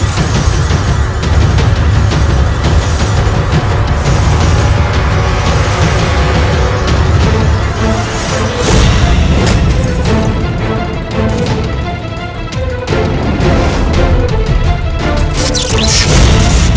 sepertinya dia ada disini